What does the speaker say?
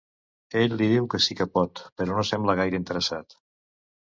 Ell li diu que sí que pot, però no sembla gaire interessat.